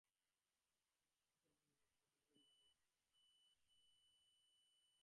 হাতী বাস্তবিক কি রকম, তাহা তোমরা কেহই জান না।